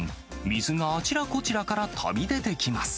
水があちらこちらから飛び出てきます。